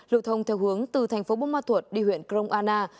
lưu thông theo hướng từ thành phố bông ma thuột đi huyện kronana